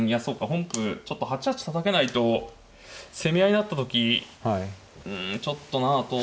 本譜ちょっと８八たたけないと攻め合いになった時うんちょっとなあと。